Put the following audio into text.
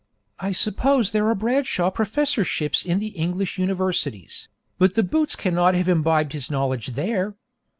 I suppose there are Bradshaw professorships in the English universities, but the boots cannot have imbibed his knowledge there.